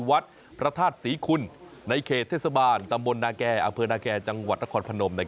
วัดพระธาตุศรีคุณในเขตเทศบาลตำบลนาแก่อำเภอนาแก่จังหวัดนครพนม